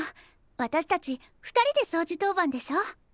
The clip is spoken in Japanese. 私たち２人でそうじ当番でしょ。